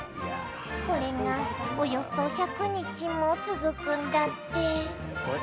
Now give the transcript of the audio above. これがおよそ１００日も続くんだって。